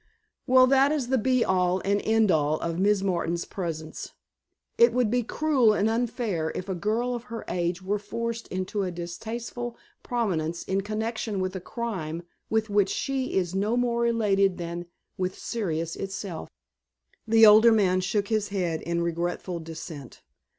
"Well, that is the be all and end all of Miss Martin's presence. It would be cruel, and unfair, if a girl of her age were forced into a distasteful prominence in connection with a crime with which she is no more related than with Sirius itself." The older man shook his head in regretful dissent.